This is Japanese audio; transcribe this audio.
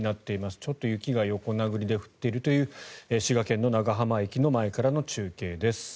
ちょっと雪が横殴りで降っているという滋賀県の長浜駅の前からの中継です。